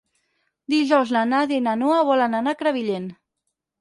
Dijous na Nàdia i na Noa volen anar a Crevillent.